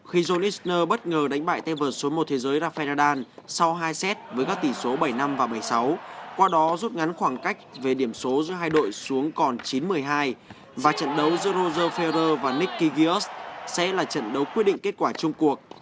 khi jonas nơ bất ngờ đánh bại tên vật số một thế giới rafael nadal sau hai xe với các tỉ số bảy năm và bảy sáu qua đó rút ngắn khoảng cách về điểm số giữa hai đội xuống còn chín một mươi hai và trận đấu giữa roger ferrer và nicky gears sẽ là trận đấu quyết định kết quả chung cuộc